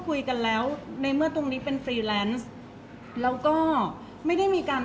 เพราะว่าสิ่งเหล่านี้มันเป็นสิ่งที่ไม่มีพยาน